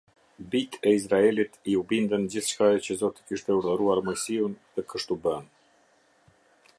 Bijtë e Izraelit iu binden gjithçkaje që Zoti kishte urdhëruar Moisiun, dhe kështu bënë.